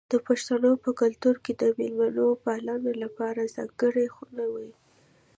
د پښتنو په کلتور کې د میلمه پالنې لپاره ځانګړې خونه وي.